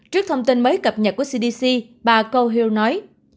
trước thông tin mới cập nhật của cdc bà conherl nói